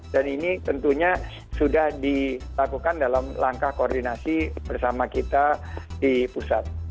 dan ini tentunya sudah dilakukan dalam langkah koordinasi bersama kita di pusat